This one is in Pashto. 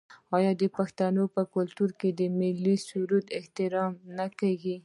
آیا د پښتنو په کلتور کې د ملي سرود احترام نه کیږي؟